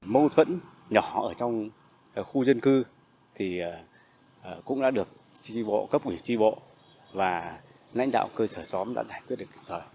mâu thuẫn nhỏ ở trong khu dân cư thì cũng đã được cấp ủy tri bộ và lãnh đạo cơ sở xóm đã giải quyết được